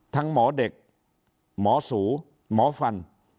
หมอเด็กหมอสูหมอฟัน